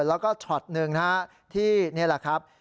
แล้วก็เฉียบหนึ่งนะที่นี่แหละครับ